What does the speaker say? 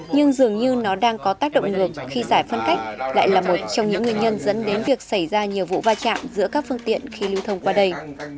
nhưng dường như nó đang có tác động ngược khi giải phân cách lại là một trong những nguyên nhân dẫn đến việc xảy ra nhiều vụ va chạm giữa các phương tiện khi lưu thông qua đây